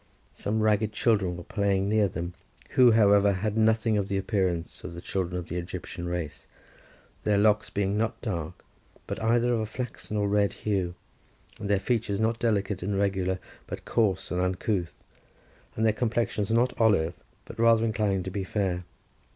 Some ragged children were playing near them, who, however, had nothing of the appearance of the children of the Egyptian race, their locks being not dark, but either of a flaxen or red hue, and their features not delicate and regular, but coarse and uncouth, and their complexions not olive, but rather inclining to be fair.